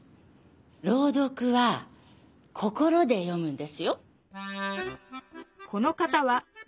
朗読は心で読むんですよ。